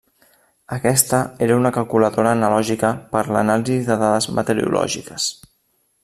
Aquesta era una calculadora analògica per a l'anàlisi de dades meteorològiques.